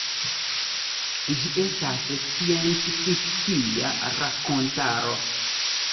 Ĝi estas sciencfikcia rakontaro.